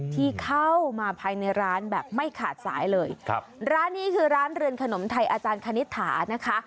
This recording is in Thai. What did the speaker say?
ที่เข้ามาภายในร้านแบบไม่ขาดสายเลยครับร้านนี้คือร้านเรือนขนมไทยอาจารย์คณิตถานะคะ